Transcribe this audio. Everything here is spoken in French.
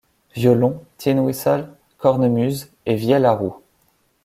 Violon, tin whistle, cornemuse, et vielle à roue.